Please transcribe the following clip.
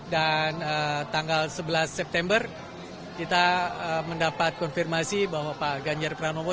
dan tanggal sebelas september kita mendapat konfirmasi bahwa pak ganjar pranowo